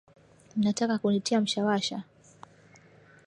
Mnataka kunitia mshawasha.